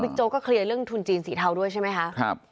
โจ๊กก็เคลียร์เรื่องทุนจีนสีเทาด้วยใช่ไหมคะ